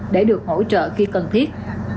để được hỗ trợ khi cần thiết